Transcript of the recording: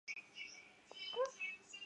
立达公园。